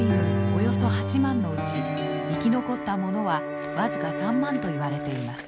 およそ８万のうち生き残った者は僅か３万といわれています。